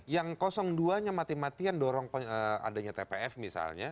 yang dua nya mati matian dorong adanya tpf misalnya